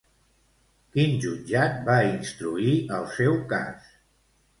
Quin jutjat va instruir el seu cas?